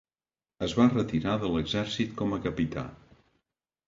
Es va retirar de l'exèrcit com a capità.